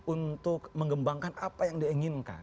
untuk mengembangkan apa yang diinginkan